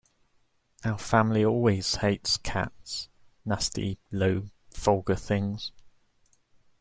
Our family always hated cats: nasty, low, vulgar things!